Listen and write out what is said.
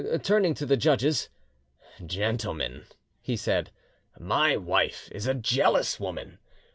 Turning to the judges— "Gentlemen," he said, "my wife is a jealous woman!